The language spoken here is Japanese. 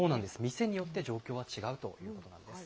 店によって、状況は違うということなんです。